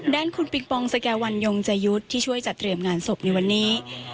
ด้านคุณปิงปองสแก่วันยงใจยุทธ์ที่ช่วยจัดเตรียมงานศพในวันนี้